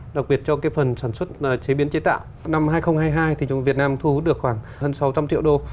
đặc biệt cho phần sản xuất chế biến chế tạo năm hai nghìn hai mươi hai thì việt nam thu hút được khoảng hơn sáu trăm linh triệu đô